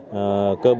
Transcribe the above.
chưa được dọn dẹp